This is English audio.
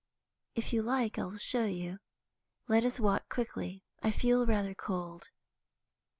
"If you like, I'll show you. Let us walk quickly. I feel rather cold."